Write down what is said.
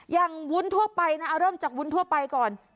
วุ้นทั่วไปนะเอาเริ่มจากวุ้นทั่วไปก่อน